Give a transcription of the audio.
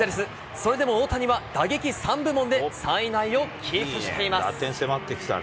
それでも大谷は打撃３部門で３位以内をキープしています。